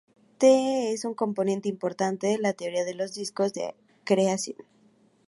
Este es un componente importante de la teoría de los discos de acreción.